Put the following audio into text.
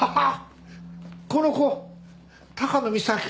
この子高野美咲。